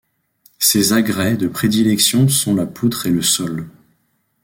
Ses agrès de prédilection sont la poutre et le sol.